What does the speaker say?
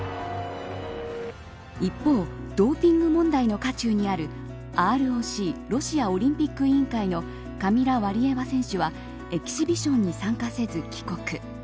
一方、ドーピング問題の渦中にあるＲＯＣロシアオリンピック委員会のカミラ・ワリエワ選手はエキシビションに参加せず帰国。